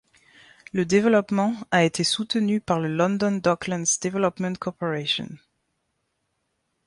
Le développement a été soutenu par le London Docklands Development Corporation.